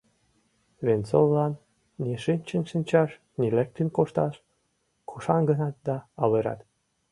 Венцовлан ни шинчын шинчаш, ни лектын кошташ: кушан-гынат да авырат.